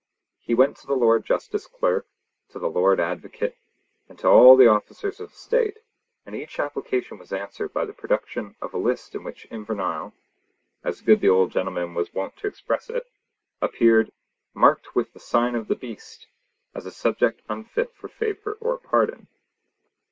He went to the Lord Justice Clerk to the Lord Advocate, and to all the officers of state, and each application was answered by the production of a list in which Invernahyle (as the good old gentleman was wont to express it) appeared 'marked with the sign of the beast!' as a subject unfit for favour or pardon.